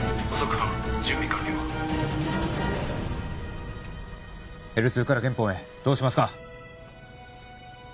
Ｌ２からゲンポンへどうしますか？